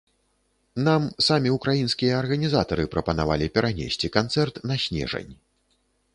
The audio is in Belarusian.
Нам самі ўкраінскія арганізатары прапанавалі перанесці канцэрт на снежань.